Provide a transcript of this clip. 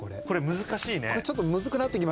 これ難しいね。